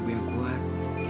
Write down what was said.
ibu yang kuat